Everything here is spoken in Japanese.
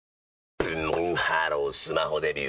ブンブンハロースマホデビュー！